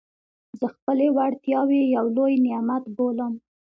زه خپلي وړتیاوي یو لوی نعمت بولم.